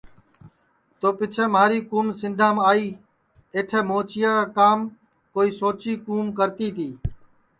تو پیچھیں مہاری کُوم سندھام آئی اٹھے موچیا کا کام کوئی سوچی کُوم کرتی تی